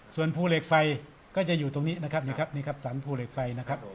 ส่วนภูเหล็กไฟก็จะอยู่ตรงนี้นะครับนี่ครับนี่ครับสรรภูเหล็กไฟนะครับ